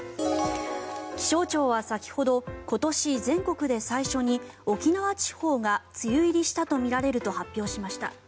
気象庁は先ほど今年、全国で最初に沖縄地方が梅雨入りしたとみられると発表しました。